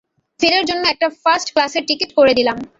ফেরার জন্য একটা ফার্স্ট ক্লাসের টিকিট করে দিলাম।